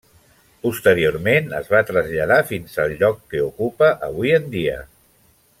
Posteriorment es va traslladar fins al lloc que ocupa avui en dia.